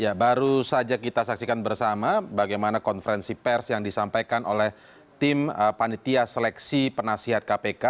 ya baru saja kita saksikan bersama bagaimana konferensi pers yang disampaikan oleh tim panitia seleksi penasihat kpk